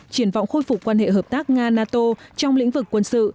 triển vọng khôi phục quan hệ hợp tác nga nato trong lĩnh vực quân sự